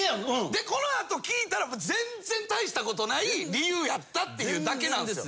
でこのあと聞いたら全然大したことない理由やったっていうだけなんですよ。